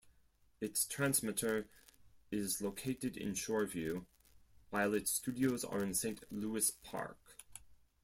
Its transmitter is located in Shoreview, while its studios are in Saint Louis Park.